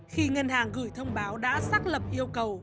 khi ngân hàng gửi thông báo đã xác lập yêu cầu